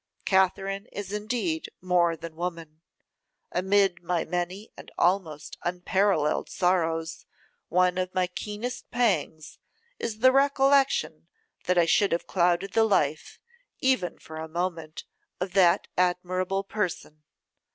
Katherine is indeed more than woman. Amid my many and almost unparalleled sorrows, one of my keenest pangs is the recollection that I should have clouded the life, even for a moment, of that admirable person.